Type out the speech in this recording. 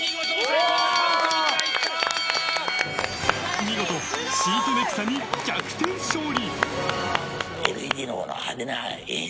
見事シートネクサに逆転勝利！